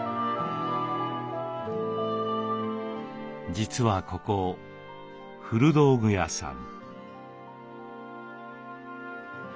実はここ古道具屋さん。